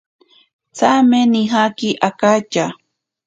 Tsame nijaki akatya.